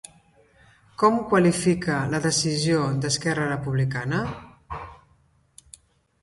Com qualifica la decisió d'Esquerra Republicana?